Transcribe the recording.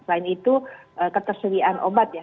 selain itu ketersediaan obat ya